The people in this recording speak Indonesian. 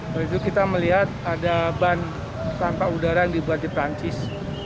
waktu itu kita melihat ada ban tanpa udara yang dibuat di perancis